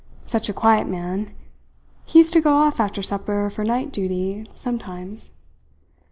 Such a quiet man. He used to go off after supper for night duty, sometimes.